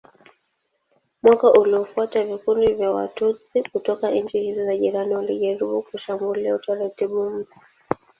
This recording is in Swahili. Mwaka uliofuata vikundi vya Watutsi kutoka nchi hizi za jirani walijaribu kushambulia utaratibu mpya.